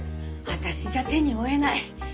私じゃ手に負えない。